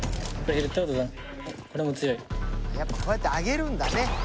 やっぱこうやってあげるんだね